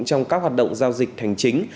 trong các hoạt động giao dịch thành chính